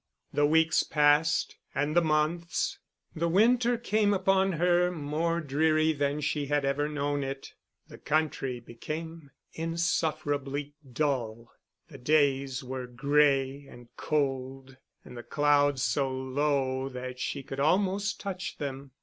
The weeks passed and the months; the winter came upon her, more dreary than she had ever known it; the country became insufferably dull. The days were gray and cold, and the clouds so low that she could almost touch them.